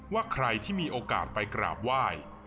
ว่าใครที่มีโอกาสไปกราบไหว้